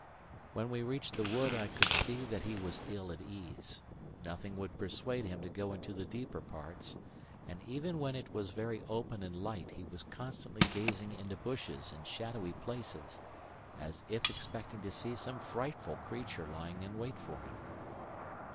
When we reached the wood I could see that he was ill at ease: nothing would persuade him to go into the deeper parts; and even where it was very open and light he was constantly gazing into bushes and shadowy places, as if expecting to see some frightful creature lying in wait for him.